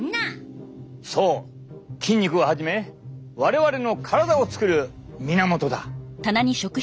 筋肉をはじめ我々の体を作る源だ。